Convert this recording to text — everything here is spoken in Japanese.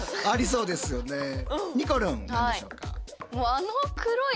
ありそうですよね。